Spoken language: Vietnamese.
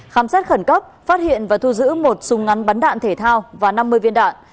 khám xét khẩn cấp phát hiện và thu giữ một súng ngắn bắn đạn thể thao và năm mươi viên đạn